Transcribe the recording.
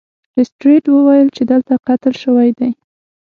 لیسټرډ وویل چې دلته قتل شوی دی.